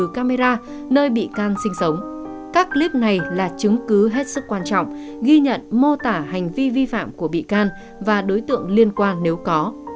các clip này là chứng cứ hết sức quan trọng ghi nhận mô tả hành vi vi phạm của bị can và đối tượng liên quan nếu có